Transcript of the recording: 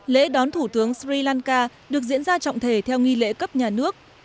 lễ đón thủ tướng sri lanka được diễn ra trọng thể theo nghi lễ cấp nhà nước